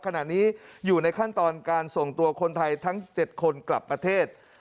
ขณะนี้อยู่ในขั้นตอนการส่งตัวคนไทยทั้ง๗คนกลับประเทศ